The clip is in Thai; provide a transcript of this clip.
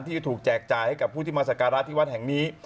ที่จะถูกแจกจ่ายให้กับผู้ที่มาสการะที่วัดแห่งนี้